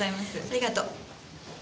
ありがとう。